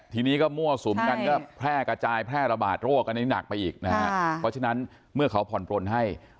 ทีนี้ก็มั่วสุมกันก็แพร่กระจายแพร่ระบาดโรคอันนี้หนักไปอีกนะฮะเพราะฉะนั้นเมื่อเขาผ่อนปลนให้